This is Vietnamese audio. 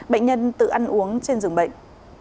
bệnh nhân tự ăn uống trên rừng bệnh